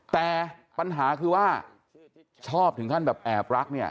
แต่ปัญหาคือว่าชอบถึงขั้นแบบแอบรักเนี่ย